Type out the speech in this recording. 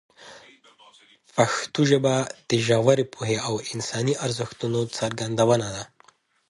پښتو ژبه د ژورې پوهې او انساني ارزښتونو څرګندونه ده.